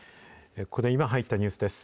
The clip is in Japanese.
ここで今入ったニュースです。